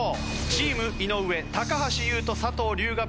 チーム井上橋優斗佐藤龍我